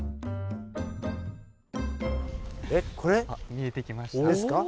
見えてきました。